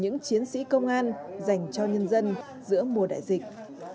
nhưng vẫn thấy bình yên vì tình cảm của những chiến sĩ công an dành cho nhân dân giữa mùa đại dịch